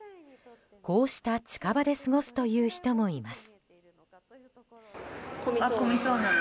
こうした近場で過ごすという人もいます。